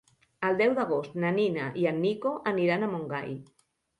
El deu d'agost na Nina i en Nico aniran a Montgai.